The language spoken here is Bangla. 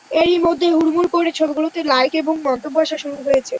এরই মধ্যে হুড়মুড় করে ছবিগুলোতে লাইক এবং মন্তব্য আসা শুরু হয়েছে।